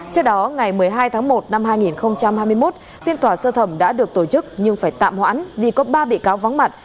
trước đó ngày một mươi hai tháng một năm hai nghìn hai mươi một phiên tòa sơ thẩm đã được tổ chức nhưng phải tạm hoãn vì có ba bị cáo vắng mặt